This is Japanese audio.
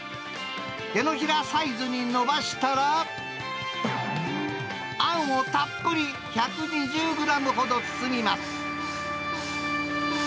手のひらサイズに伸ばしたら、あんをたっぷり、１２０グラムほど包みます。